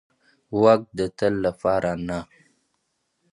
واک د تل لپاره نه وي